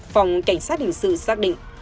phòng cảnh sát hình sự xác định